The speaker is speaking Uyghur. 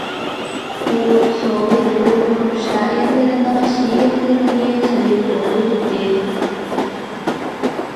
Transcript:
ئۇ سوۋېت ئۇيغۇر شائىرلىرىنىڭ شېئىرلىرىنى سۆيۈپ ئوقۇيتتى.